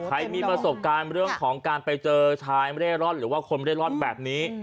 ใครมีประสบการณ์เรื่องของการไปเจอชายเร่ร่อนหรือว่าคนเร่ร่อนแบบนี้